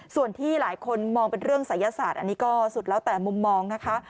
ส่วนที่หลายคนมองเป็นเรื่องศัยศาสตร์อันนี้ก็สุดแล้วแต่มุมมองนะคะ